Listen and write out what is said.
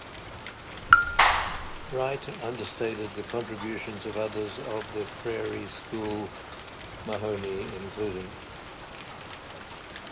Wright understated the contributions of others of the Prairie School, Mahony included.